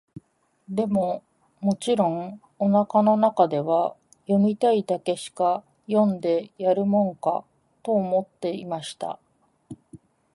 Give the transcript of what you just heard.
でも、もちろん、お腹の中では、読みたいだけしか読んでやるもんか、と思っていました。